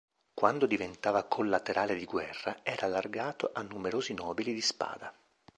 Quando diventava Collaterale di guerra era allargato a numerosi nobili di spada.